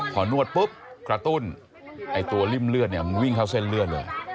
พอนวดปุ๊บกระตุ้นไอ้ตัวริ่มเลือดเนี่ยมันวิ่งเข้าเส้นเลือดเลย